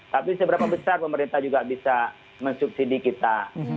tapi seberapa besar pemerintah juga bisa mensubsidi kita